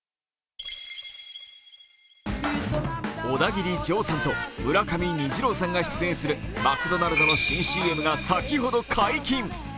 オダギリジョーさんと村上虹郎さんが出演するマクドナルドの新ＣＭが先ほど解禁。